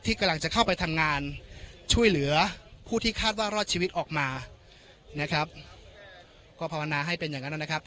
กำลังจะเข้าไปทำงานช่วยเหลือผู้ที่คาดว่ารอดชีวิตออกมานะครับก็ภาวนาให้เป็นอย่างนั้นนะครับ